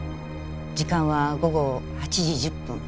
時間は午後８時１０分。